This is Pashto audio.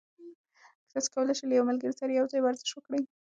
تاسي کولای شئ له یو ملګري سره یوځای ورزش وکړئ.